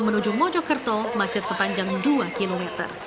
menuju mojokerto macet sepanjang dua km